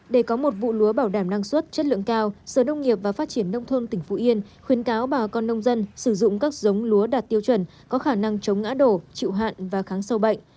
để có một vụ lúa bảo đảm năng suất chất lượng cao sở nông nghiệp và phát triển nông thôn tỉnh phú yên khuyến cáo bà con nông dân sử dụng các giống lúa đạt tiêu chuẩn có khả năng chống ngã đổ chịu hạn và kháng sâu bệnh